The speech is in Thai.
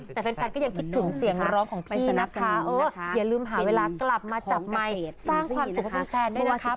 แต่แฟนก็ยังคิดถึงเสียงร้องของพี่นะคะเอออย่าลืมหาเวลากลับมาจับไมค์สร้างความสุขให้แฟนด้วยนะคะ